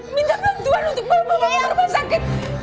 minta bantuan untuk bawa ke rumah sakit